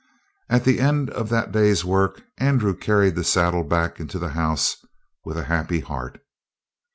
At the end of that day's work Andrew carried the saddle back into the house with a happy heart.